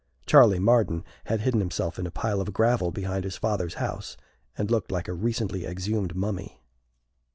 (Charley Marden had hidden himself in a pile of gravel behind his father's house, and looked like a recently exhumed mummy.)